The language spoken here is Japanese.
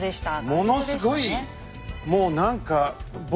ものすごい